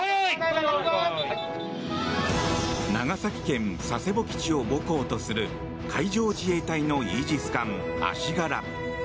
長崎県・佐世保基地を母港とする海上自衛隊のイージス艦「あしがら」。